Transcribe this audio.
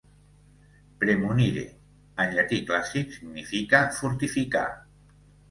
"Praemunire", en llatí clàssic, significa "fortificar".